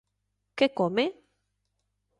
Que come?